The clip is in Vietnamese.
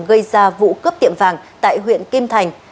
gây ra vụ cướp tiệm vàng tại huyện kim thành